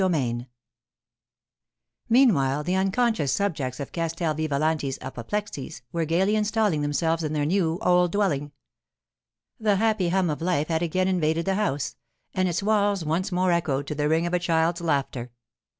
CHAPTER V MEANWHILE, the unconscious subjects of Castel Vivalanti's 'apoplexies' were gaily installing themselves in their new, old dwelling. The happy hum of life had again invaded the house, and its walls once more echoed to the ring of a child's laughter.